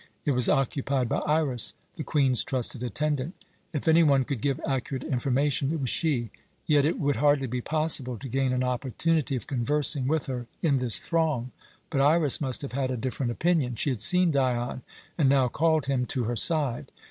It was occupied by Iras, the Queen's trusted attendant. If any one could give accurate information, it was she; yet it would hardly be possible to gain an opportunity of conversing with her in this throng. But Iras must have had a different opinion; she had seen Dion, and now called him to her side.